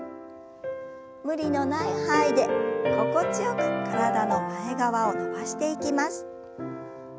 無理のない範囲で心地よく体の前側を伸ばしていきます。